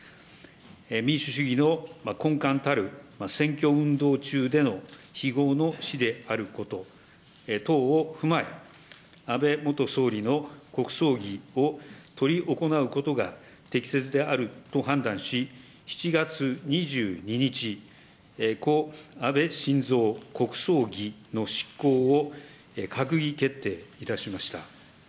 民主主義の根幹たる選挙運動中での非業の死であること等を踏まえ、安倍元総理の国葬儀を執り行うことが適切であると判断し、７月２２日、故・安倍晋三国葬儀の執行を閣議決定いたしました。